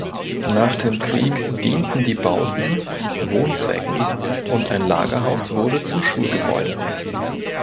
Nach dem Krieg dienten die Bauten Wohnzwecken und ein Lagerhaus wurde zum Schulgebäude.